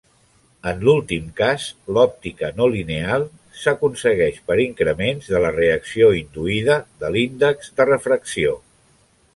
En l'últim cas, l'òptica no lineal s'aconsegueix per increments de la reacció induïda de l'índex de refracció.